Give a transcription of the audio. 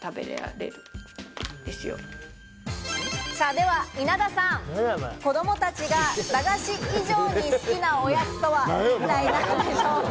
では稲田さん、子供たちが駄菓子以上に好きなおやつとは、一体何でしょうか？